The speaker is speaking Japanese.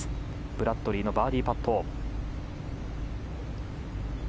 ブラッドリーのバーディーパット。